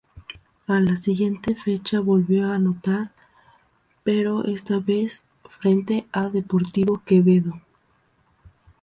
A la siguiente fecha volvió a anotar pero esta vez frente a Deportivo Quevedo.